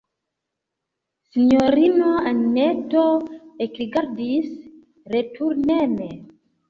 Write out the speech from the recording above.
Sinjorino Anneto ekrigardis returnen.